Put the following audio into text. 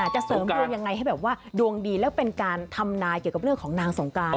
จะเสริมดวงยังไงให้แบบว่าดวงดีแล้วเป็นการทำนายเกี่ยวกับเรื่องของนางสงการ